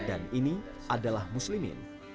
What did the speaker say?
dan ini adalah muslimin